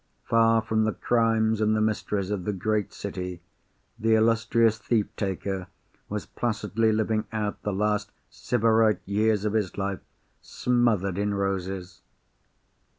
Far from the crimes and the mysteries of the great city, the illustrious thief taker was placidly living out the last Sybarite years of his life, smothered in roses!